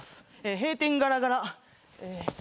閉店ガラガラ。